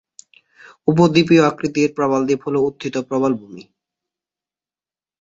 উপদ্বীপীয় আকৃতির প্রবাল দ্বীপ হল উত্থিত প্রবাল ভূমি।